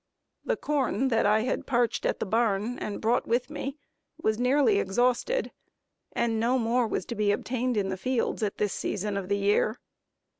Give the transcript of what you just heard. The corn that I had parched at the barn and brought with me, was nearly exhausted, and no more was to be obtained in the fields at this season of the year.